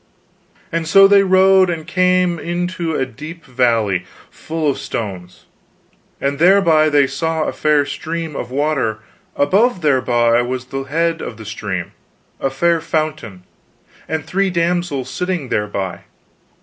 "And so they rode and came into a deep valley full of stones, and thereby they saw a fair stream of water; above thereby was the head of the stream, a fair fountain, and three damsels sitting thereby.